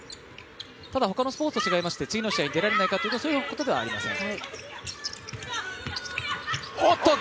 ただ、ほかのスポーツと違いまして次の試合に出られないかといいますとそういうことではありません。